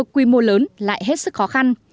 quy mô lớn lại hết sức khó khăn